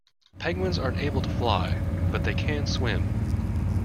Penguins aren't able to fly, but they can swim